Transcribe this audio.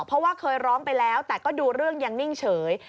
เพราะว่าเคยร้องไปแล้วแต่ก็ดูเรื่องยังนิ่งเฉย